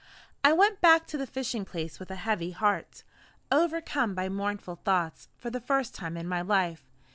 I WENT back to the fishing place with a heavy heart, overcome by mournful thoughts, for the first time in my life.